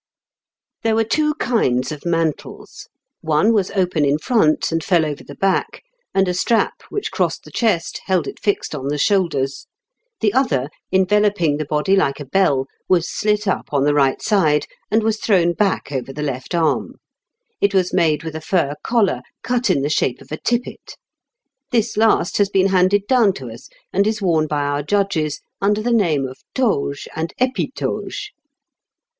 ] "There were two kinds of mantles; one was open in front, and fell over the back, and a strap which crossed the chest held it fixed on the shoulders; the other, enveloping the body like a bell, was slit up on the right side, and was thrown back over the left arm; it was made with a fur collar, cut in the shape of a tippet. This last has been handed down to us, and is worn by our judges under the name of toge and épitoge.